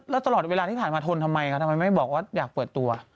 แล้วตลอดเวลาที่ผ่านมาที่ทนท้ายทำไมหรือว่าอยากเปิดตัว